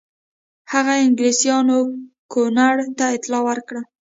هغه انګلیسیانو ګورنر ته اطلاع ورکړه.